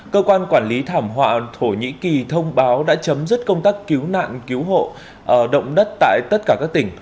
cơ quan quản lý thảm họa thổ nhĩ kỳ thông báo đã chấm dứt công tác cứu nạn cứu hộ động đất tại tất cả các tỉnh